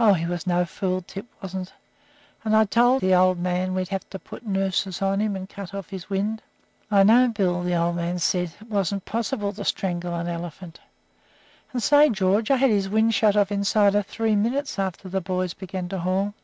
Oh, he was no fool, Tip wasn't, and I told the Old Man we'd have to put nooses on him and cut off his wind." "I know, Bill, the Old Man said it wasn't possible to strangle an elephant " "And say, George, I had his wind shut off inside of three minutes after the boys began to haul.